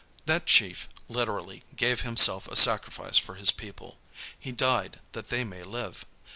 That chief literally gave himself a sacrifice for his people. He died that they might live.